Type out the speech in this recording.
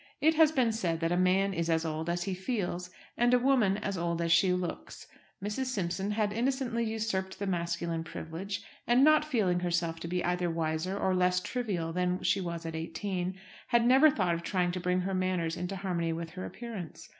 It has been said that a man is as old as he feels, and a woman as old as she looks. Mrs. Simpson had innocently usurped the masculine privilege; and, not feeling herself to be either wiser or less trivial than she was at eighteen, had never thought of trying to bring her manners into harmony with her appearance.